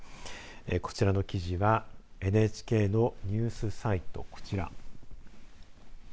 こちらの記事はＮＨＫのニュースサイトこちら。